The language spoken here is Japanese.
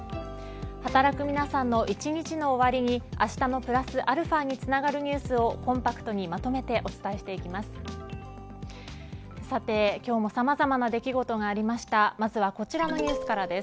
働く皆さんの一日の終わりにあしたのプラスαにつながるニュースをコンパクトにまとめてお伝えしていきます。